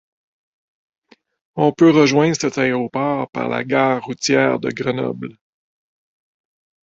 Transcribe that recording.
On peut rejoindre cet aéroport par la gare routière de Grenoble.